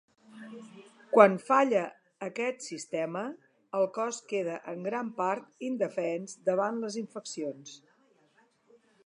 Quan falla aquest sistema, el cos queda en gran part indefens davant les infeccions.